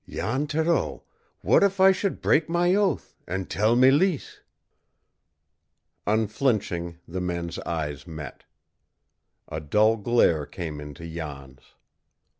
"Jan Thoreau, what if I should break my oath and tell Mélisse?" Unflinching the men's eyes met. A dull glare came into Jan's.